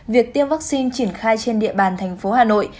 việc tiêm vaccine triển khai trên địa bàn thành phố hà nội